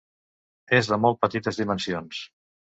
És de molt petites dimensions.